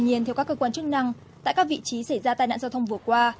tuy nhiên theo các cơ quan chức năng tại các vị trí xảy ra tai nạn giao thông vừa qua